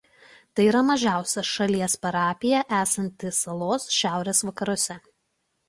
Tai yra mažiausia šalies parapija esanti salos šiaurės vakaruose.